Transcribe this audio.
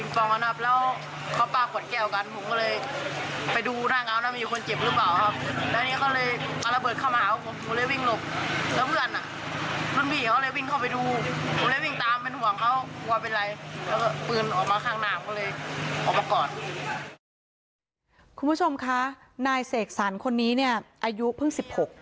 คุณผู้ชมคะนายเสกสรรคนนี้เนี่ยอายุเพิ่ง๑๖